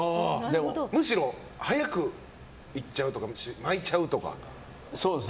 むしろ、早く行っちゃうとか巻いちゃうとか。